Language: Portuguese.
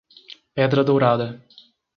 Pedra Dourada